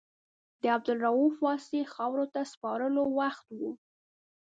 د عبدالرؤف واسعي خاورو ته سپارلو وخت و.